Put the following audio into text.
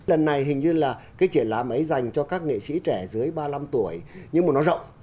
lần này hình như là cái triển lãm ấy dành cho các nghệ sĩ trẻ dưới ba mươi năm tuổi nhưng mà nó rộng